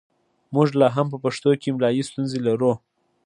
موږ لا هم په پښتو کې املايي ستونزې لرو